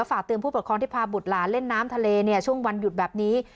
และฝากเตือนผู้ปลดคลองทภาบุตรหลานเล่นน้ำทะเลเนี่ยช่วงวันหยุดแบบนี้